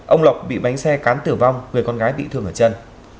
ông lộc bị bánh xe cán tử vong người con gái bị thương ở chân